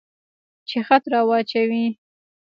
چې خط را واچوي.